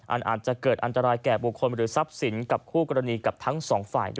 อาจจะเกิดอันตรายแก่บุคคลหรือทรัพย์สินกับคู่กรณีกับทั้งสองฝ่ายด้วย